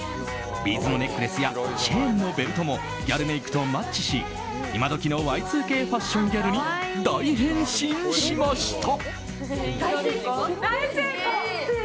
ビーズのネックレスやチェーンのベルトもギャルメイクとマッチし今時のＹ２Ｋファッションギャルに大変身しました。